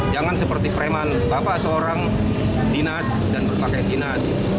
jangan seperti preman bapak seorang dinas dan berpakai dinas